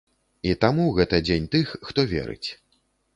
І таму гэта дзень тых, хто верыць.